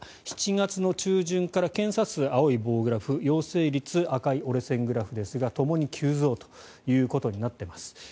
７月の中旬から検査数青い棒グラフ陽性率、赤い折れ線グラフですがともに急増ということになっています。